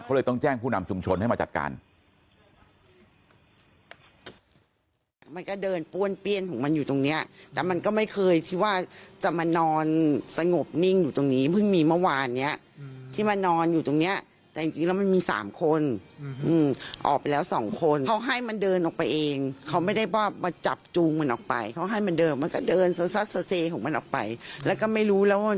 ก็เลยต้องแจ้งผู้นำชุมชนให้มาจัดการ